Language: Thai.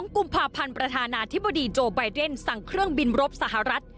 กุมภาพันธ์ประธานาธิบดีโจไบเดนสั่งเครื่องบินรบสหรัฐ